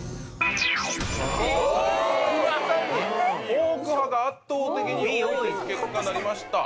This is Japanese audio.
フォーク派が圧倒的に多い結果になりました。